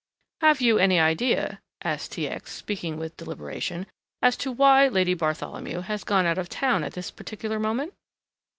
"Have you any idea," asked T. X., speaking with deliberation, "as to why Lady Bartholomew has gone out of town at this particular moment?"